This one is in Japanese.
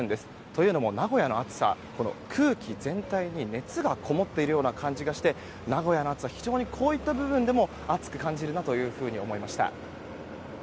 というのも、名古屋の暑さ空気全体に熱がこもっているような感じがして名古屋の暑さはこういった部分でも暑く感じるなと思いました。